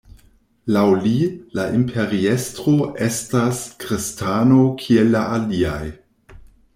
Laŭ li, la imperiestro estas kristano kiel la aliaj.